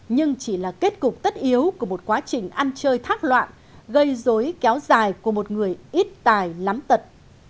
nhưng chỉ là kết cục tất yếu của một quá trình ăn chơi thác loạn gây dối kéo dài của một người ít tài lắm tật